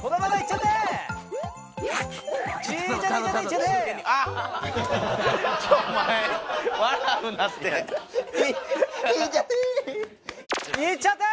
このままイっちゃってー！